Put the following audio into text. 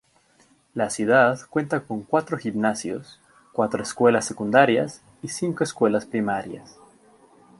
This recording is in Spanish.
La ciudad cuenta con cuatro gimnasios, cuatro escuelas secundarias y cinco escuelas primarias.